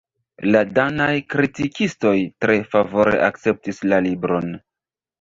La danaj kritikistoj tre favore akceptis la libron.